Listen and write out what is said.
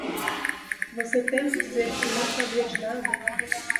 Você tem que dizer que não sabia de nada?